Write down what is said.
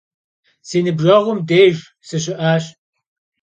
Si nıbjeğum dêjj sışı'eş.